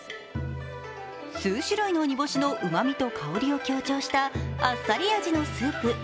数種類の煮干しのうまみと香りを強調したあっさり味のスープ。